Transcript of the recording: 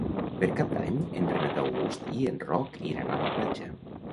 Per Cap d'Any en Renat August i en Roc iran a la platja.